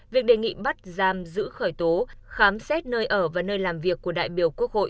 việc đề nghị bắt giam giữ khởi tố khám xét nơi ở và nơi làm việc của đại biểu quốc hội